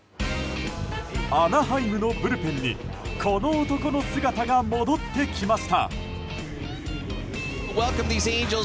アナハイムのブルペンにこの男の姿が戻ってきました。